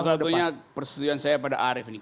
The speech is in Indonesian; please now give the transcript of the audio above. ini satu satunya persetujuan saya pada arief ini